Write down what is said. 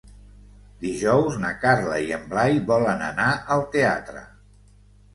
Dijous na Carla i en Blai volen anar al teatre.